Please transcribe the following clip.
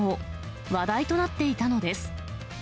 話題となっていたのです。